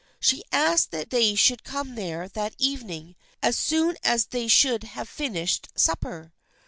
She asked that they should come there that evening as soon as they should have finished supper.